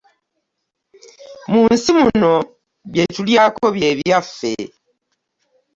Mu nsi muno bye tulyako bye byaffe.